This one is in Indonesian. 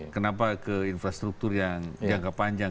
kenapa ke infrastruktur yang jangka panjang